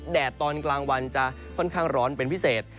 แดดตอนกลางวันจะค่อนข้างร้อนเป็นพิเศษ